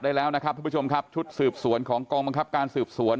ได้แล้วนะครับทุกผู้ชมครับชุดสืบสวนของกองบังคับการสืบสวน